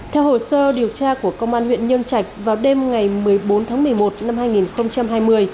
theo hồ sơ điều tra của công an huyện nhân trạch vào đêm ngày một mươi bốn tháng một mươi một năm hai nghìn hai mươi